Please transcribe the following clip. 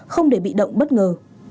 không để bị động bất ngờ